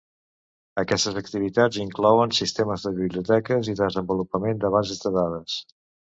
Aquestes activitats inclouen sistemes de biblioteques i desenvolupament de bases de dades.